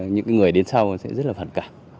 những người đến sau sẽ rất là phản cảm